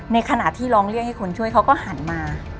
ในขณะที่ร้องเรียกให้คนช่วยเขาก็หันมา